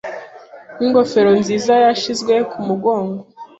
n'ingofero nziza yashizwe kumugongo.